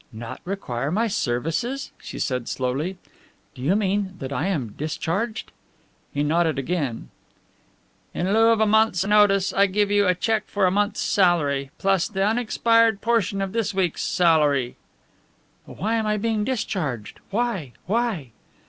"Not require my services?" she said slowly. "Do you mean that I am discharged?" He nodded again. "In lieu of a month's notice I will give you a cheque for a month's salary, plus the unexpired portion of this week's salary." "But why am I being discharged? Why? Why?"